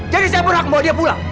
jadi saya berhak membawa dia pulang